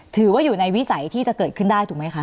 ถือว่าอยู่ในวิสัยที่จะเกิดขึ้นได้ถูกไหมคะ